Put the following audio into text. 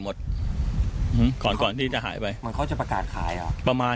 มีคนส่วนแล้วทำก็อะไรกันไป